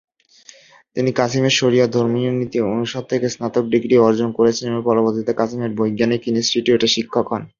তিনি কাসিমের শরিয়া ও ধর্মীয় নীতি অনুষদ থেকে স্নাতক ডিগ্রি অর্জন করেছেন এবং পরবর্তীতে কাসিমের বৈজ্ঞানিক ইনস্টিটিউটে শিক্ষক হন।